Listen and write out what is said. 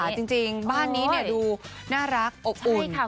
อิจฉาจริงบ้านนี้ดูน่ารักอบอุ่น